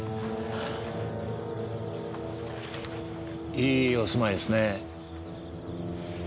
いいお住まいですね。